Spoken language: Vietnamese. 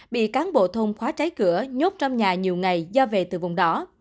bị cán bộ thôn khóa trái cửa nhốt trong nhà nhiều ngày do về từ vùng đó